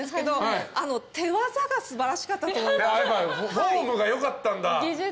フォームが良かったんだ。